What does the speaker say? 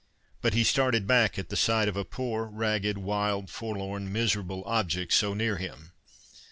But he started back at the sight of a poor ragged, wild, forlorn, miserable object so near him.